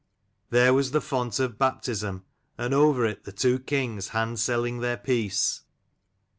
There was 60 the font of baptism, and over it the two kings handselling their peace.